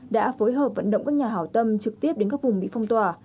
đã phối hợp vận động các nhà hảo tâm trực tiếp đến các vùng bị phong tỏa